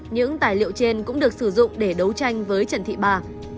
những tài liệu trên cũng được sử dụng để đấu tranh với trần thị ba